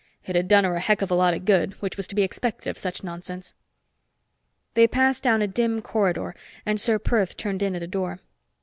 It had done her a heck of a lot of good, which was to be expected of such nonsense. They passed down a dim corridor and Ser Perth turned in at a door.